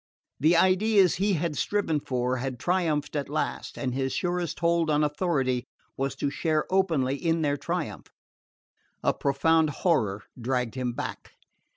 The ideas he had striven for had triumphed at last, and his surest hold on authority was to share openly in their triumph. A profound horror dragged him back.